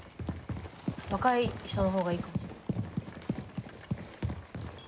若い人のほうがいいかも。